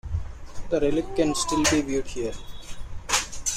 The relic can still be viewed here.